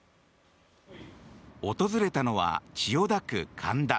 訪れたのは、千代田区神田。